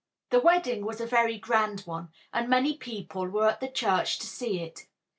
The wedding was a very grand one, and many people were at the church to see it.